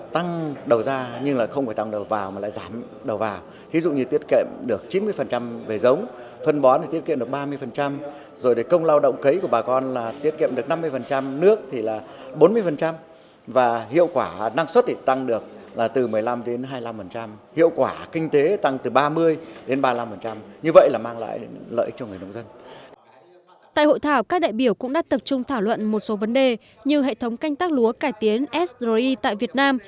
tại hội thảo các đại biểu cũng đã tập trung thảo luận một số vấn đề như hệ thống canh tác lúa cải tiến sri tại việt nam